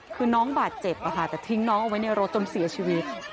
คือน้องบาดเจ็บแต่ทิ้งน้องเอาไว้ในรถจนเสียชีวิต